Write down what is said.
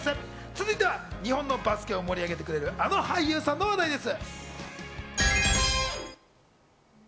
続いては日本のバスケを盛り上げてくれる、あの俳優さんの話題です。